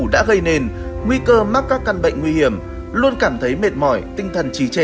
dạ vâng ạ